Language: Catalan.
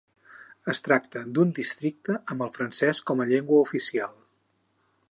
Es tracta d'un districte amb el francès com a llengua oficial.